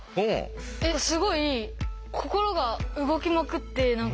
すごい心が動きまくって何か。